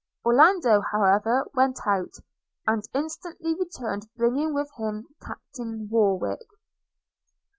Orlando, however, went out, and instantly returned bringing with him Captain Warwick.